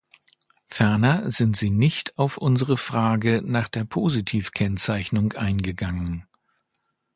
Ferner sind Sie nicht auf unsere Frage nach der Positivkennzeichnung eingegangen.